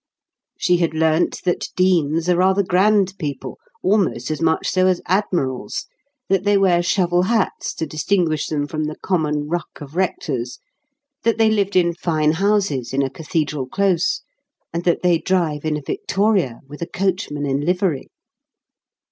She had learnt that deans are rather grand people—almost as much so as admirals; that they wear shovel hats to distinguish them from the common ruck of rectors; that they lived in fine houses in a cathedral close; and that they drive in a victoria with a coachman in livery.